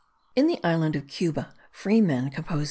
In the island of Cuba free men compose 0.